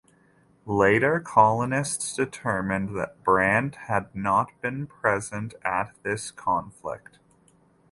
Later colonists determined that Brant had not been present at this conflict.